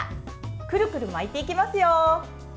くるくる巻いていきますよ。